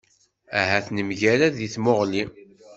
Ahat nemgarad deg tamuɣli?